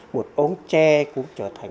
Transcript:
một ống tre cũng trở thành